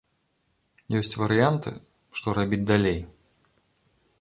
Ёсць варыянты, што рабіць далей.